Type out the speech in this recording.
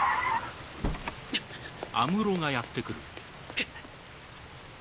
くっ。